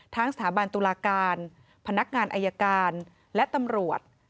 สถาบันตุลาการพนักงานอายการและตำรวจ